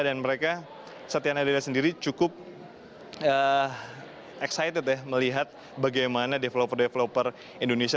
dan mereka satya nadella sendiri cukup excited melihat bagaimana developer developer indonesia